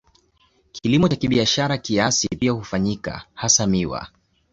Kilimo cha kibiashara kiasi pia hufanyika, hasa miwa.